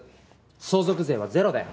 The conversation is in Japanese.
相続税はゼロだよ。